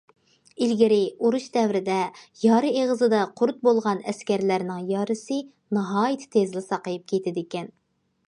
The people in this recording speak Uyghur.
ئىلگىرى ئۇرۇش دەۋرىدە يارا ئېغىزىدا قۇرت بولغان ئەسكەرلەرنىڭ يارىسى ناھايىتى تېزلا ساقىيىپ كېتىدىكەن.